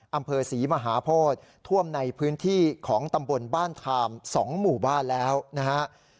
อำเภอศรีมหาโพธิท่วมในพื้นที่ของตำบลบ้านทาม๒หมู่บ้านแล้วนะฮะ